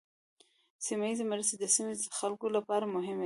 سیمه ایزه مرستې د سیمې د خلکو لپاره مهمې دي.